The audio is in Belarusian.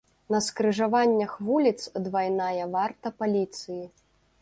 На скрыжаваннях вуліц двайная варта паліцыі.